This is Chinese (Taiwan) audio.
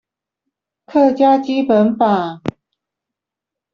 客家基本法